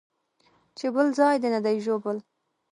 چې بل ځاى دې نه دى ژوبل.